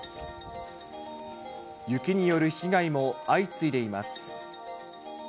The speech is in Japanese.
雪による被害も相次いでいます。